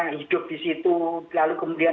hidup disitu lalu kemudian